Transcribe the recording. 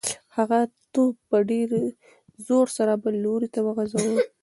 هغه توپ په ډېر زور سره بل لوري ته وغورځاوه.